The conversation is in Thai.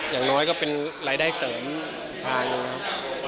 อย่างน้อยก็เป็นรายได้เสริมทางหนึ่งครับ